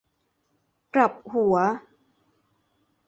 กลับหัว